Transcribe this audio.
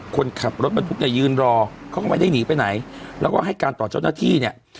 คนขับรถบรรทุกเนี่ยยืนรอเขาก็ไม่ได้หนีไปไหนแล้วก็ให้การต่อเจ้าหน้าที่เนี่ย